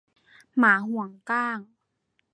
หมาหวงก้าง